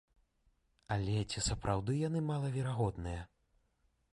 Але ці сапраўды яны малаверагодныя?